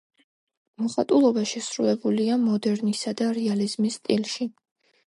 მოხატულობა შესრულებულია მოდერნისა და რეალიზმის სტილში.